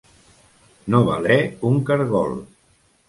No valer un caragol.